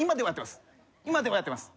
今ではやってます。